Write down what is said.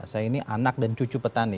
saya ini anak dan cucu petani